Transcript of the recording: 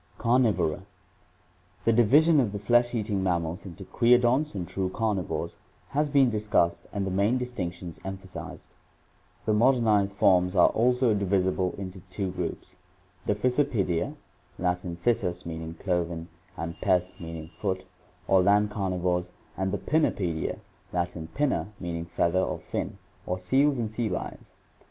CARNIVORA The division of the flesh eating mammals into creodonts and true carnivores has been discussed and the main distinctions emphasized (page 551). The modernized forms are also divisible into two groups, the Fissipedia (Lat. fissus, cloven, and pes, foot) or land carnivores, and the Pinnipedia (Lat. pinna, feather, fin) or seals and sea lions.